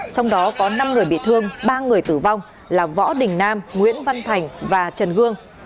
trong đó có năm người bị thương ba người tử vong là võ đình nam nguyễn văn thành và trần hương